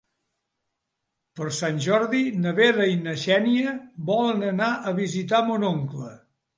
Per Sant Jordi na Vera i na Xènia volen anar a visitar mon oncle.